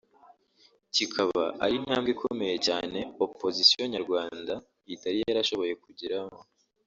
kikaba ari intambwe ikomeye cyane “opposition” nyarwanda itari yarashoboye kugeraho